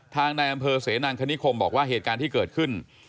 ในอำเภอเสนางคณิคมบอกว่าเหตุการณ์ที่เกิดขึ้น